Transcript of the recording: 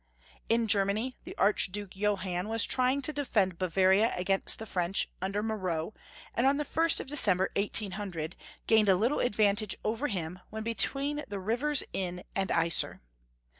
In Germany the Archduke Johann was trying to defend Bavaria against the French, under Moreau, and on the 1st of December, 1800, gained a little advantage over him when between the Rivers Inn and Iser.